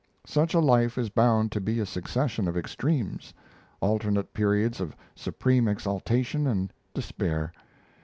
Such a life is bound to be a succession of extremes alternate periods of supreme exaltation and despair.